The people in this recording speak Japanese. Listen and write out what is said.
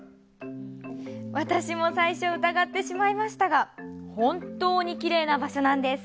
私も最初、疑ってしまいましたがほんと、きれいな場所なんです。